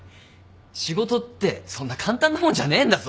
仕事ってそんな簡単なもんじゃねえんだぞ。